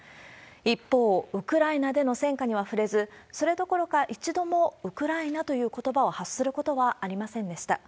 一方、ウクライナでの戦果には触れず、それどころか一度もウクライナということばを発することはありませんでした。